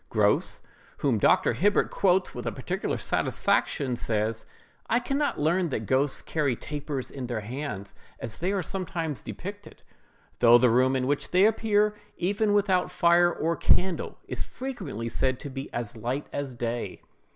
Grose, whom Dr. Hibbert quotes with particular satisfaction, says: "I can not learn that ghosts carry tapers in their hands, as they are sometimes depicted; though the room in which they appear, even when without fire or candle, is frequently said to be as light as day."